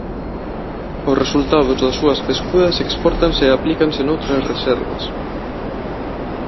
Os resultados das súas pescudas expórtanse e aplícanse noutras reservas.